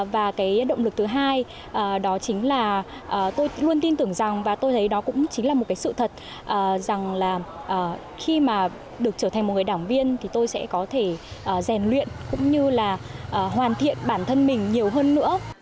và cái động lực thứ hai đó chính là tôi luôn tin tưởng rằng và tôi thấy đó cũng chính là một cái sự thật rằng là khi mà được trở thành một người đảng viên thì tôi sẽ có thể rèn luyện cũng như là hoàn thiện bản thân mình nhiều hơn nữa